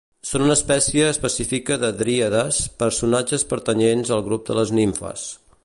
Són una espècie específica de dríades, personatges pertanyents al grup de les nimfes.